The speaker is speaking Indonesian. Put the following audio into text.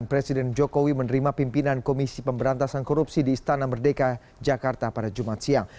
presiden jokowi menerima pimpinan komisi pemberantasan korupsi di istana merdeka jakarta pada jumat siang